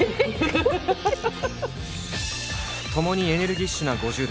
ハハハ！ともにエネルギッシュな５０代。